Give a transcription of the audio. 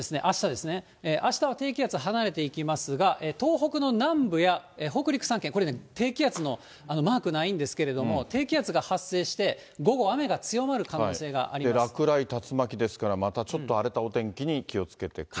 あしたは低気圧離れていきますが、東北の南部や北陸３県、これ低気圧のマークないんですけれども、低気圧が発生して、午後、落雷、竜巻ですから、またちょっと荒れたお天気に気をつけてください。